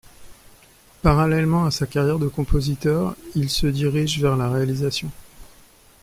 Parallèlement à sa carrière de compositeur, il se dirige vers la réalisation.